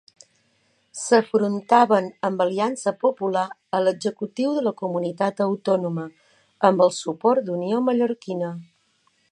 S'afrontaven amb Aliança Popular a l'executiu de la comunitat autònoma, amb el suport d'Unió Mallorquina.